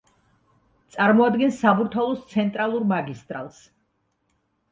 წარმოადგენს საბურთალოს ცენტრალურ მაგისტრალს.